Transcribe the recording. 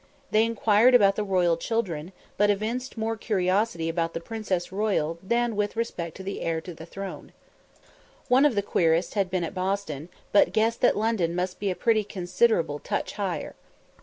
They inquired about the royal children, but evinced more curiosity about the princess royal than with respect to the heir to the throne. One of the querists had been at Boston, but guessed that "London must be a pretty considerable touch higher."